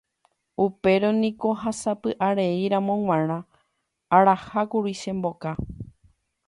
Upérõ niko ha sapy'areíramo g̃uarã arahákuri che mboka.